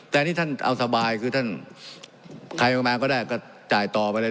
แต่นี่ท่านเอาสบายคือที่น่ะแค่มั้งจ่ายไปเลย